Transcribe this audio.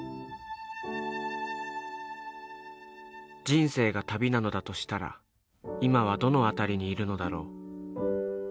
人生が旅なのだとしたら今はどの辺りにいるのだろう。